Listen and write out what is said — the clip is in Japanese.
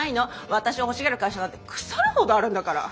私を欲しがる会社なんて腐るほどあるんだから。